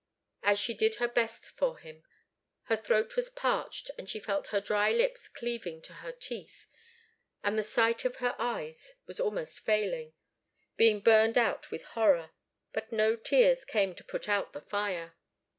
As she did her best for him, her throat was parched, and she felt her dry lips cleaving to her teeth, and the sight of her eyes was almost failing, being burned out with horror. But no tears came to put out the fire.